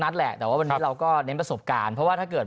แหละแต่ว่าวันนี้เราก็เน้นประสบการณ์เพราะว่าถ้าเกิด